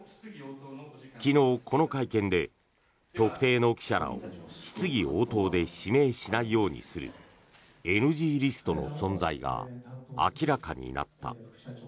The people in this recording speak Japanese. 昨日、この会見で特定の記者らを質疑応答で指名しないようにするＮＧリストの存在が明らかになった。